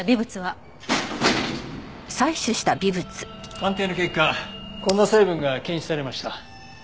鑑定の結果こんな成分が検出されました。